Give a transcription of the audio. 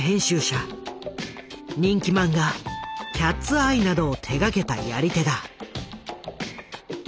人気漫画「キャッツアイ」などを手がけたやり手だ。